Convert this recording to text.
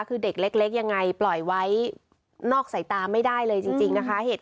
คือเด็กเล็กยังไงปล่อยไว้นอกสายตาไม่ได้เลยจริงนะคะ